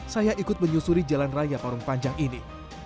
saya ikut menyusuri jalan raya parung panjang ini